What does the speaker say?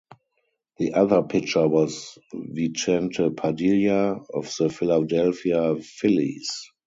The other pitcher was Vicente Padilla of the Philadelphia Phillies.